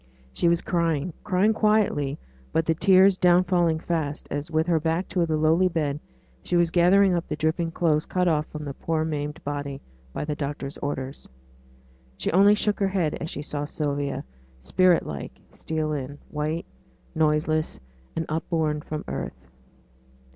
She was crying crying quietly, but the tears down falling fast, as, with her back to the lowly bed, she was gathering up the dripping clothes cut off from the poor maimed body by the doctors' orders. She only shook her head as she saw Sylvia, spirit like, steal in white, noiseless, and upborne from earth.